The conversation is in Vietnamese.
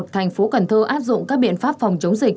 thành phố cần thơ áp dụng các biện pháp phòng chống dịch